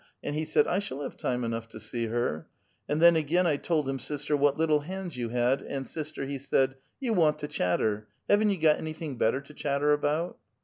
and he said, 'I shall have time enough to see her.' " And then again :" I told him, sister, ' what little hands you had,' and, sister, he said, ' You want to chatter ; haven't you , got anvthing better to chatter about?'"